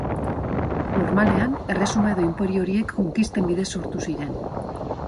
Normalean, erresuma edo inperio horiek konkisten bidez sortu ziren.